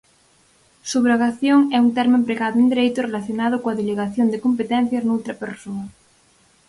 Subrogación é un termo empregado en Dereito relacionado coa delegación de competencias noutra persoa.